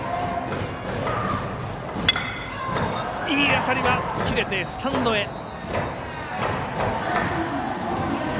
いい当たりは切れてスタンドへ。